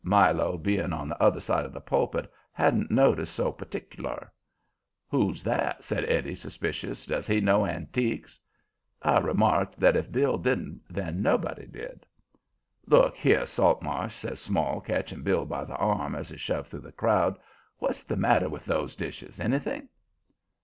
Milo, being on the other side of the pulpit, hadn't noticed so partic'lar. "Who's that?" asks Eddie, suspicious. "Does he know antiques?" I remarked that if Bill didn't, then nobody did. "Look here, Saltmarsh!" says Small, catching Bill by the arm as he shoved through the crowd. "What's the matter with those dishes anything?"